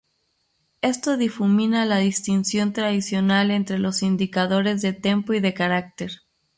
Esto difumina la distinción tradicional entre los indicadores de tempo y de carácter.